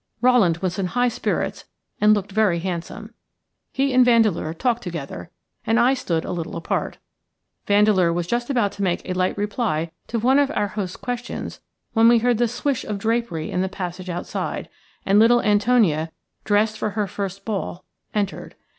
Rowland was in high spirits and looked very handsome. He and Vandeleur talked together, and I stood a little apart. Vandeleur was just about to make a light reply to one of our host's questions when we heard the swish of drapery in the passage outside, and little Antonia, dressed for her first ball, entered.